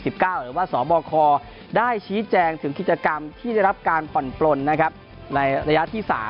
หรือว่าสบคได้ชี้แจงถึงกิจกรรมที่ได้รับการผ่อนปลนในระยะที่๓